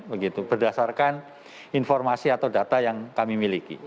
begitu berdasarkan informasi atau data yang kami miliki